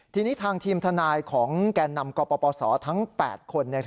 ทีนี้ทางทีมทนายของแก่นำกปศทั้ง๘คน